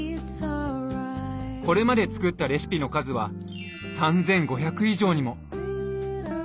これまで作ったレシピの数は３，５００以上にも。